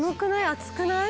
暑くない？